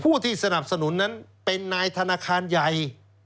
ผู้ที่สนับสนุนนั้นเป็นนายธนาคารใหญ่